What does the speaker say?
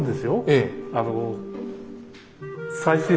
ええ。